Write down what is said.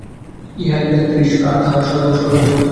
ইহাই বেদান্তের ঈশ্বর, আর তাঁহার স্বর্গ সর্বত্র অবস্থিত।